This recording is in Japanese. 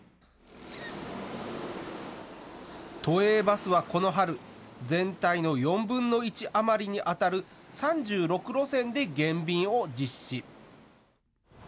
都営バスはこの春、全体の４分の１余りにあたる３６路線で減便を実施。